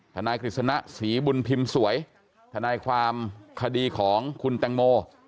นายกฤษณะศรีบุญพิมพ์สวยทนายความคดีของคุณแตงโม